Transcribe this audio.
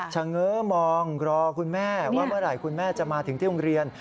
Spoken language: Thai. เง้อมองรอคุณแม่ว่าเมื่อไหร่คุณแม่จะมาถึงที่โรงเรียน